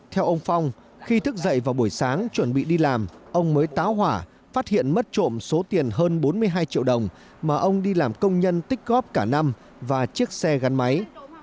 theo ông phong khi thức dậy vào buổi sáng chuẩn bị đi làm ông mới táo hỏa phát hiện mất trộm số tiền hơn bốn mươi hai triệu đồng mà ông đi làm công nhân tích góp cả năm và chiếc xe gắn máy